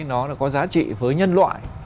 nó có giá trị với nhân loại